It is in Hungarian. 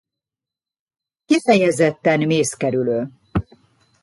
Kifejezetten mészkerülő.